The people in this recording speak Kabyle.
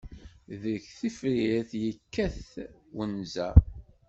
Deg tefrirt yekkat wanza.